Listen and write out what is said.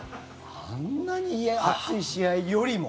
あんなに熱い試合よりも？